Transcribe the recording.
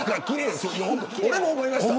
俺も思いました。